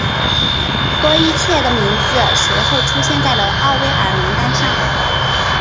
多伊彻的名字随后出现在了奥威尔名单上。